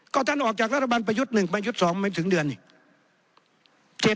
ก็ท่านออกจากรัฐบาลประยุทธ์๑ประยุทธ์๒ไม่ถึงเดือนอีก